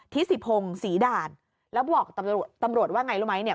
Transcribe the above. ทิสิพงศรีด่านแล้วบอกตำรวจตำรวจว่าไงรู้ไหมเนี่ย